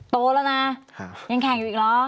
โตแล้วนะยังแข่งอยู่อีกเหรอ